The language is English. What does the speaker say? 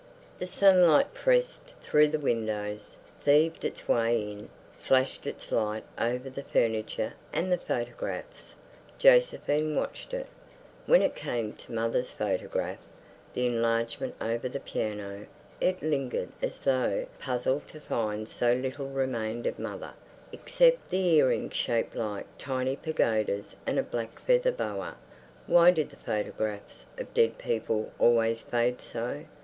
The sunlight pressed through the windows, thieved its way in, flashed its light over the furniture and the photographs. Josephine watched it. When it came to mother's photograph, the enlargement over the piano, it lingered as though puzzled to find so little remained of mother, except the earrings shaped like tiny pagodas and a black feather boa. Why did the photographs of dead people always fade so?